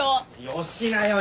よしなよ